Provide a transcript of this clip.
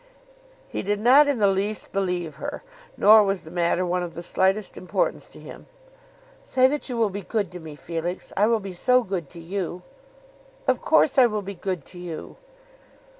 He did not in the least believe her, nor was the matter one of the slightest importance to him. "Say that you will be good to me, Felix. I will be so good to you." "Of course I will be good to you."